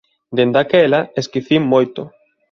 Dende aquela, esquecín moito.